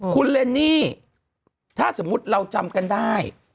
คุณเรนนี่ถ้าสมมุติเราจำกันได้